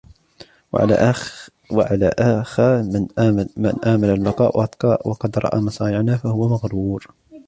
وَعَلَى آخَرَ مَنْ أَمَّلَ الْبَقَاءَ وَقَدْ رَأَى مَصَارِعَنَا فَهُوَ مَغْرُورٌ